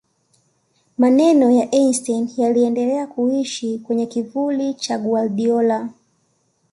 maneno ya einstein yaliendelea kuishi kwenye kivuli cha guardiola